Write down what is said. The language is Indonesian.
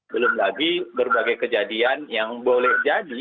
belum lagi berbagai kejadian yang boleh jadi